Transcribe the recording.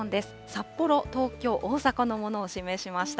札幌、東京、大阪のものを示しました。